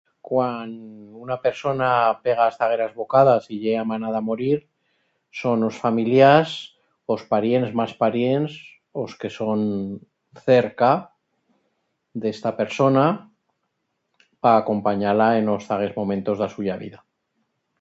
Cuan una persona pega as zagueras bocadas y ye amanada a morir, son os familiars, os parients mas parients, os que son cerca d'esta persona, pa acompanyar-la en os zaguers momentos d'a suya vida.